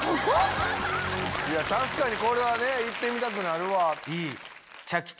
確かにこれは行ってみたくなるわ。